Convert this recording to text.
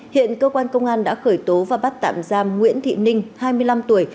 hiện cơ quan công an đã khởi tố và bắt tạm giam nguyễn thị ninh hai mươi năm tuổi